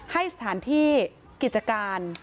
ให้สถานที่กิจการ